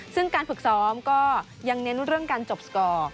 ซึ่งการฝึกซ้อมก็ยังเน้นเรื่องการจบสกอร์